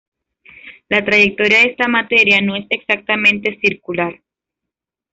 La trayectoria de esta materia no es exactamente circular.